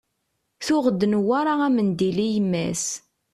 Tuɣ-d Newwara amendil i yemma-s.